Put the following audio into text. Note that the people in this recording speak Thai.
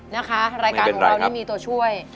นะคะรายการของเรานี่มีตัวช่วย